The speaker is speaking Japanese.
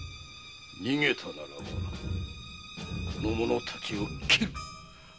逃げたらばこの者たちを斬る！